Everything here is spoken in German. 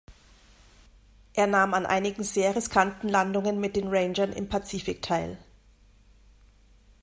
Er nahm an einigen sehr riskanten Landungen mit den Rangern im Pazifik teil.